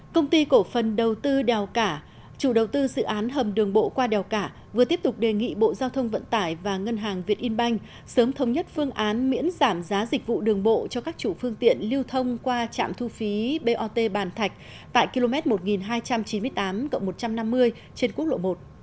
công ty cổ phần đầu tư đèo cả chủ đầu tư dự án hầm đường bộ qua đèo cả vừa tiếp tục đề nghị bộ giao thông vận tải và ngân hàng việt yên banh sớm thống nhất phương án miễn giảm giá dịch vụ đường bộ cho các chủ phương tiện lưu thông qua trạm thu phí bot bàn thạch tại km một nghìn hai trăm chín mươi tám một trăm năm mươi trên quốc lộ một